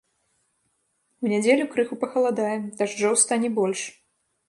У нядзелю крыху пахаладае, дажджоў стане больш.